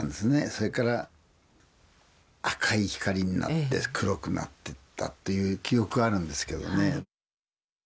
それから赤い光になって黒くなってったという記憶あるんですけどね。